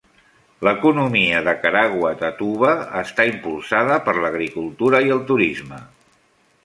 L'economia de Caraguatatuba està impulsada per l'agricultura i el turisme.